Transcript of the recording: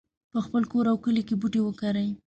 په خپل کور او کلي کې بوټي وکرئ